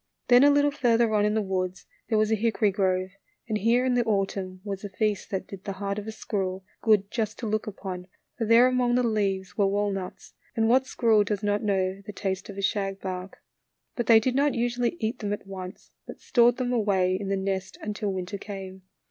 Then a little further on in the woods there was a hickory grove, and here in the autumn was a feast tha/t did the heart of a squirrel good just to look upon, for there among the leaves were walnuts, and what squirrel does not know the taste of a shagbark? But they did not usually eat them at once, but stored them away in the nest until winter came.